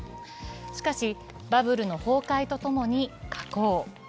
しかし、バブルの崩壊とともに下降。